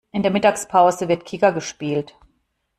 In der Mittagspause wird Kicker gespielt.